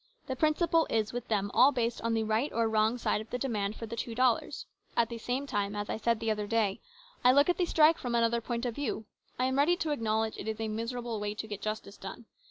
The prin ciple is, with them, all based on the right or wrong side of the demand for the two dollars. At the same time, as I said the other day, I look at the strike from another point of view. I am ready to acknow ledge it is a miserable way to try to get justice done.